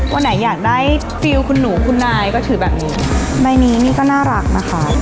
วันไหนอยากได้ฟิลคุณหนูคุณนายก็ถือแบบนี้ในนี้นี่ก็น่ารักนะคะ